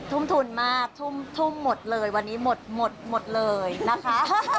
ทุ่มทุนมากทุ่มหมดเลยวันนี้หมดหมดหมดเลยนะคะ